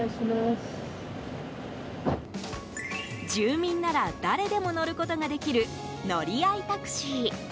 住民なら誰でも乗ることができる乗り合いタクシー。